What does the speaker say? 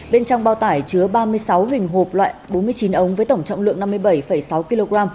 bên trong bao tải chứa ba mươi sáu hình hộp loại bốn mươi chín ống với tổng trọng lượng năm mươi bảy sáu kg